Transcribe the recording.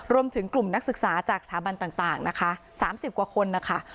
รวมถึงกลุ่มนักศึกษาจากสถาบันต่างนะคะ๓๐กว่าคนนะคะ